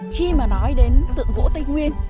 khi mà nói đến tượng gỗ tây nguyên